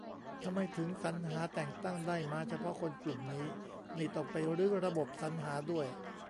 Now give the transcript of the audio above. ทำไมถึงสรรหาแต่งตั้งได้มาเฉพาะคนกลุ่มนี้ นี่ต้องไปรื้อระบบสรรหาด้วย